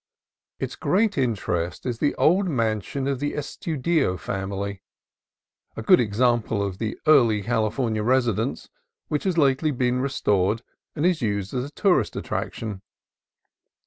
Its great interest is the old mansion of the Estudillo family, a good example of the early Californian resi dence, which has lately been restored and is used as a tourist attraction.